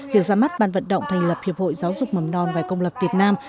việc ra mắt ban vận động thành lập hiệp hội giáo dục mầm non ngoài công lập việt nam